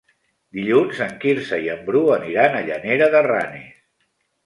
Dilluns en Quirze i en Bru aniran a Llanera de Ranes.